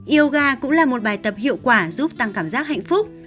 yoga cũng là một bài tập hiệu quả giúp tăng cảm giác hạnh phúc